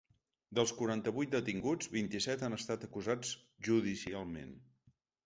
Dels quaranta-vuit detinguts, vint-i-set han estat acusats judicialment.